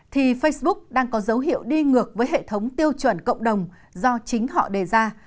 thì facebook đang có dấu hiệu đi ngược với hệ thống tiêu chuẩn cộng đồng do chính họ đề ra